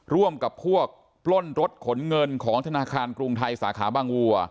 ร่วมกับพวกปล้นรถขนเงินของธนาคารกรุงไทยสาขาบางวัว